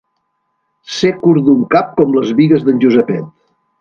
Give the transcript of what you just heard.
Ser curt d'un cap com les bigues d'en Josepet.